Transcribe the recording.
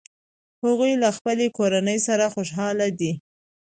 هغوی له خپلې کورنۍ سره خوشحاله دي